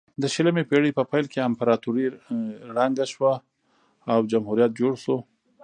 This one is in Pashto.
د شلمې پیړۍ په پیل کې امپراتوري ړنګه شوه او جمهوریت جوړ شو.